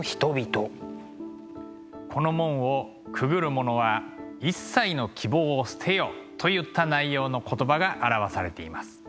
「この門をくぐる者は一切の希望を捨てよ」といった内容の言葉が表されています。